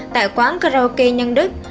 tại quán karaoke nhân đức